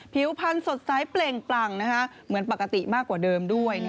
ผิวพันธุ์สดใสเปล่งปลั่งเหมือนปกติมากกว่าเดิมด้วย